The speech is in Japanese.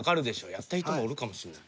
やった人もおるかもしんない。